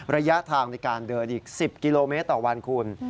ระยะทางในการเดินอีก๑๐กิโลเมตรต่อวันคุณ